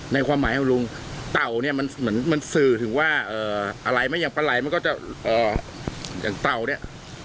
ความหมายของลุงเต่าเนี่ยมันเหมือนมันสื่อถึงว่าอะไรไหมอย่างปลาไหล่มันก็จะอย่างเต่าเนี่ย